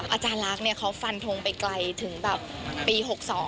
อาจารย์รักเขาฟันนทงไปไกลถึงปี๖๒